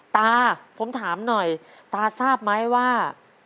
ตาผมถามหน่อยตาทราบไหมว่า